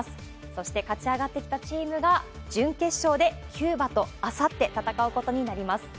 そして、勝ち上がってきたチームが準決勝でキューバとあさって、戦うことになります。